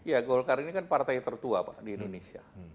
ya golkar ini kan partai tertua pak di indonesia